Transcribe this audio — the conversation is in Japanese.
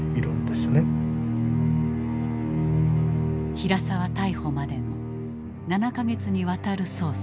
平沢逮捕までの７か月にわたる捜査。